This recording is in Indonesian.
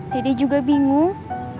dede juga bingung